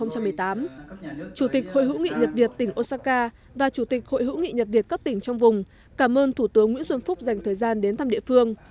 chủ tịch hội hữu nghị nhật việt tỉnh osaka và chủ tịch hội hữu nghị nhật việt các tỉnh trong vùng cảm ơn thủ tướng nguyễn xuân phúc dành thời gian đến thăm địa phương